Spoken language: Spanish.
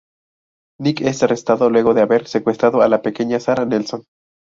Nick es arrestado luego de haber secuestrado a la pequeña Sarah Nelson.